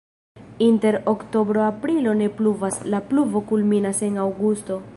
Inter oktobro-aprilo ne pluvas, la pluvo kulminas en aŭgusto.